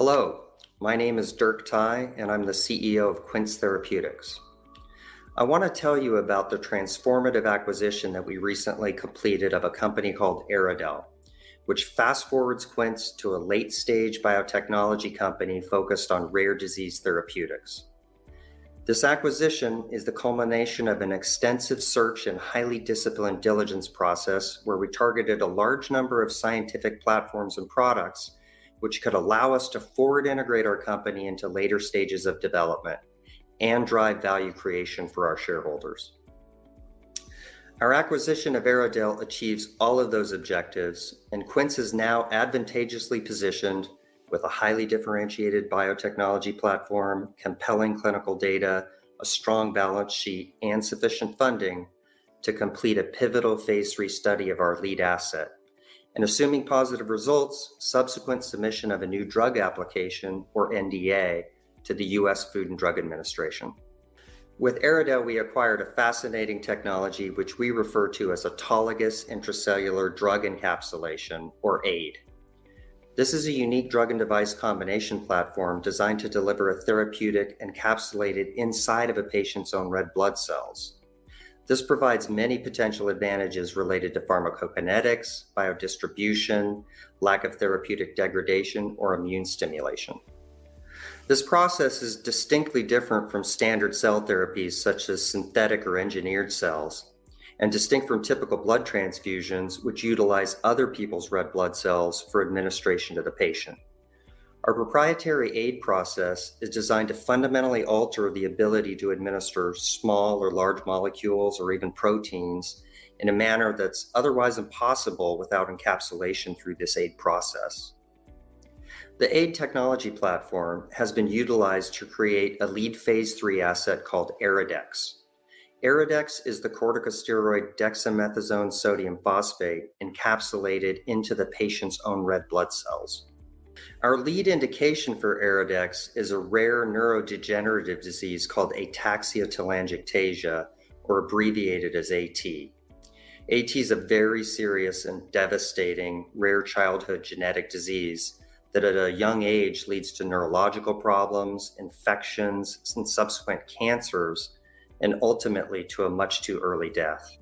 Hello, my name is Dirk Thye, and I'm the CEO of Quince Therapeutics. I wanna tell you about the transformative acquisition that we recently completed of a company called EryDel, which fast-forwards Quince to a late-stage biotechnology company focused on rare disease therapeutics. This acquisition is the culmination of an extensive search and highly disciplined diligence process, where we targeted a large number of scientific platforms and products, which could allow us to forward integrate our company into later stages of development and drive value creation for our shareholders. Our acquisition of EryDel achieves all of those objectives, and Quince is now advantageously positioned with a highly differentiated biotechnology platform, compelling clinical data, a strong balance sheet, and sufficient funding to complete a pivotal phase III study of our lead asset. Assuming positive results, subsequent submission of a New Drug Application, or NDA, to the U.S. Food and Drug Administration. With EryDel, we acquired a fascinating technology, which we refer to as Autologous Intracellular Drug Encapsulation, or AIDE. This is a unique drug and device combination platform designed to deliver a therapeutic encapsulated inside of a patient's own red blood cells. This provides many potential advantages related to pharmacokinetics, biodistribution, lack of therapeutic degradation, or immune stimulation. This process is distinctly different from standard cell therapies such as synthetic or engineered cells, and distinct from typical blood transfusions, which utilize other people's red blood cells for administration to the patient. Our proprietary AIDE process is designed to fundamentally alter the ability to administer small or large molecules or even proteins in a manner that's otherwise impossible without encapsulation through this AIDE process. The AIDE technology platform has been utilized to create a lead phase III asset called EryDex. EryDex is the corticosteroid dexamethasone sodium phosphate encapsulated into the patient's own red blood cells. Our lead indication for EryDex is a rare neurodegenerative disease called ataxia-telangiectasia, or abbreviated as A-T. A-T is a very serious and devastating rare childhood genetic disease that at a young age leads to neurological problems, infections, and subsequent cancers, and ultimately to a much too early death.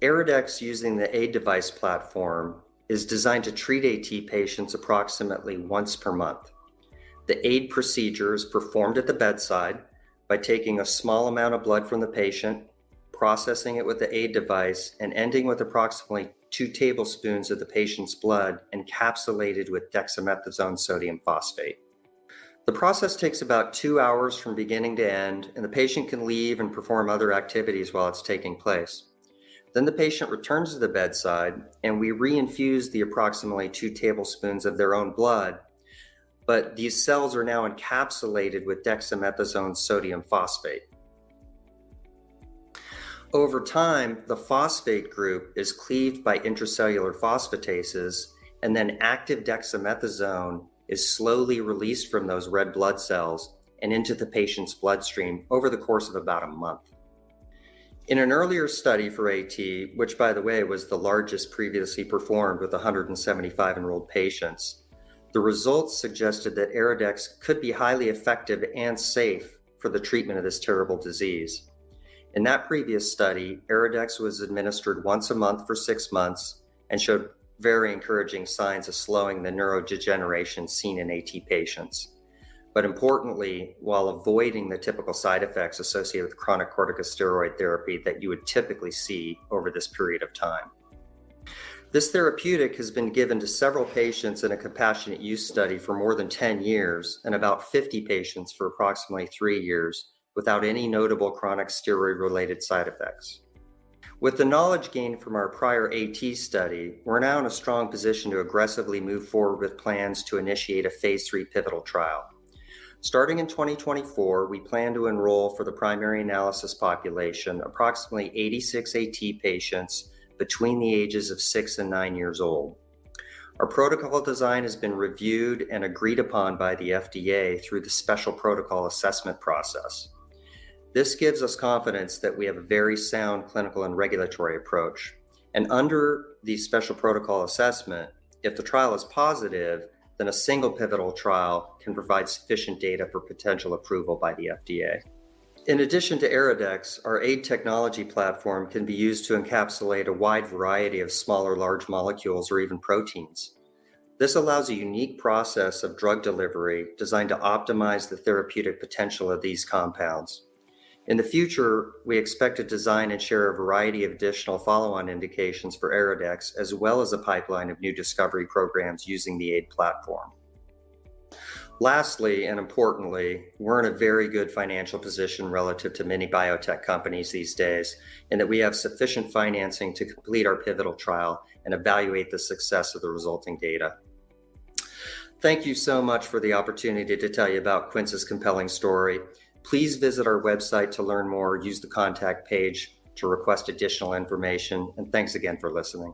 EryDex, using the AIDE device platform, is designed to treat A-T patients approximately once per month. The AIDE procedure is performed at the bedside by taking a small amount of blood from the patient, processing it with the AIDE device, and ending with approximately two tablespoons of the patient's blood encapsulated with dexamethasone sodium phosphate. The process takes about 2 hours from beginning to end, and the patient can leave and perform other activities while it's taking place. Then the patient returns to the bedside, and we reinfuse the approximately 2 tablespoons of their own blood, but these cells are now encapsulated with dexamethasone sodium phosphate. Over time, the phosphate group is cleaved by intracellular phosphatases, and then active dexamethasone is slowly released from those red blood cells and into the patient's bloodstream over the course of about a month. In an earlier study for AT, which by the way, was the largest previously performed with 175 enrolled patients, the results suggested that EryDex could be highly effective and safe for the treatment of this terrible disease. In that previous study, EryDex was administered once a month for 6 months and showed very encouraging signs of slowing the neurodegeneration seen in A-T patients. Importantly, while avoiding the typical side effects associated with chronic corticosteroid therapy that you would typically see over this period of time. This therapeutic has been given to several patients in a compassionate use study for more than 10 years and about 50 patients for approximately 3 years, without any notable chronic steroid-related side effects. With the knowledge gained from our prior A-T study, we're now in a strong position to aggressively move forward with plans to initiate a phase III pivotal trial. Starting in 2024, we plan to enroll for the primary analysis population, approximately 86 A-T patients between the ages of 6 and 9 years old. Our protocol design has been reviewed and agreed upon by the FDA through the Special Protocol Assessment process. This gives us confidence that we have a very sound clinical and regulatory approach, and under the Special Protocol Assessment, if the trial is positive, then a single pivotal trial can provide sufficient data for potential approval by the FDA. In addition to EryDex, our AIDE technology platform can be used to encapsulate a wide variety of small or large molecules or even proteins. This allows a unique process of drug delivery designed to optimize the therapeutic potential of these compounds. In the future, we expect to design and share a variety of additional follow-on indications for EryDex, as well as a pipeline of new discovery programs using the AIDE platform. Lastly, and importantly, we're in a very good financial position relative to many biotech companies these days, and that we have sufficient financing to complete our pivotal trial and evaluate the success of the resulting data. Thank you so much for the opportunity to tell you about Quince's compelling story. Please visit our website to learn more. Use the contact page to request additional information, and thanks again for listening.